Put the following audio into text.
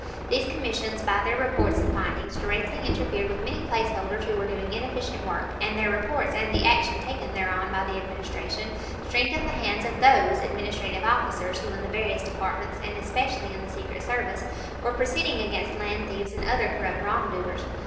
These commissions by their reports and findings directly interfered with many place holders who were doing inefficient work, and their reports and the action taken thereon by the Administration strengthened the hands of those administrative officers who in the various departments, and especially in the Secret Service, were proceeding against land thieves and other corrupt wrong doers.